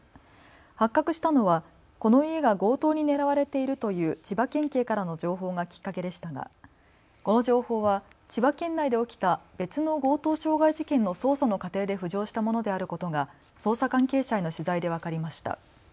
発覚したのはこの家が強盗に狙われているという千葉県警からの情報がきっかけでしたが、この情報は千葉県内で起きた別の強盗傷害事件の捜査の過程で浮上したものであることが捜査関係者への取材で分かりました。